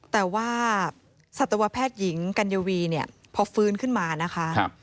แต่ว่าสัตวแพทย์หญิงกัญวีเนี่ยพอฟื้นขึ้นมานะคะ